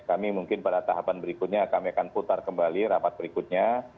kami mungkin pada tahapan berikutnya kami akan putar kembali rapat berikutnya